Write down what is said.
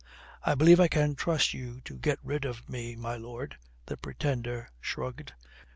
"I believe I can trust you to get rid of me, my lord," the Pretender shrugged.